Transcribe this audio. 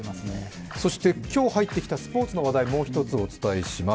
今日入ってきたスポーツの話題、もう一つお伝えします。